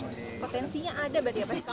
potensinya ada berarti ya pak